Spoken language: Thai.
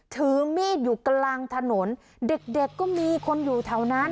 ถือมีดอยู่กลางถนนเด็กเด็กก็มีคนอยู่แถวนั้น